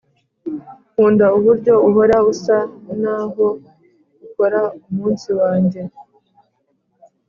nkunda uburyo uhora usa naho ukora umunsi wanjye